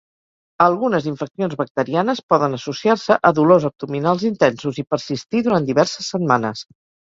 Algunes infeccions bacterianes poden associar-se a dolors abdominals intensos i persistir durant diverses setmanes.